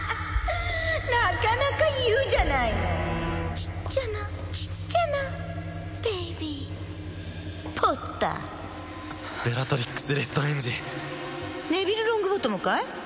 なかなか言うじゃないのちっちゃなちっちゃなベビーポッターベラトリックス・レストレンジネビル・ロングボトムかい？